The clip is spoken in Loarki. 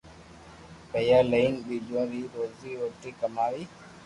پيئا ليئين ٻچو ري روزو روٽي ڪماوي